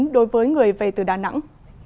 đối với người về từ đà nẵng